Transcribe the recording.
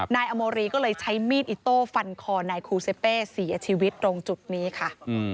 นายอโมรีก็เลยใช้มีดอิโต้ฟันคอนายคูเซเป้เสียชีวิตตรงจุดนี้ค่ะ